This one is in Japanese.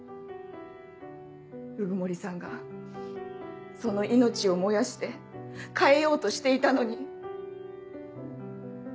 鵜久森さんがその命を燃やして変えようとしていたのに。